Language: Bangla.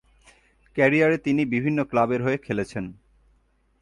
ক্যারিয়ারে তিনি বিভিন্ন ক্লাবের হয়ে খেলেছেন।